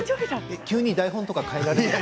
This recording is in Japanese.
急に台本とか変えられました？